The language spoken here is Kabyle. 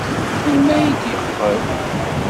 Melmi ay d-yeqqel?